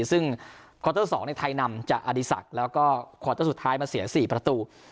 ซึ่งขวาเตอร์สองในไทยนำจะอดีศักดิ์แล้วก็สุดท้ายมาเสียสี่ประตู